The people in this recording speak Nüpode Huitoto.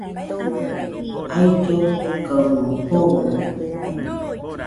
Aullogaɨmo joone.